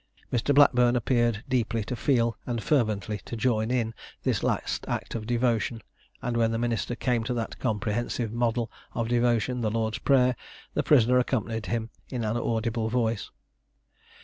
Mr. Blackburn appeared deeply to feel and fervently to join in this last act of devotion, and when the minister came to that comprehensive model of devotion, the Lord's Prayer, the prisoner accompanied him in an audible voice.